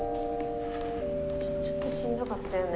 ちょっとしんどかったよね。